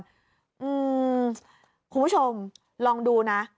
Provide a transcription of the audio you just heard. คุณผู้ชมลองดูนะ